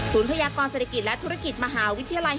ศูนยากรศาสตริกิจและธุรกิจมหาวิทยาลัย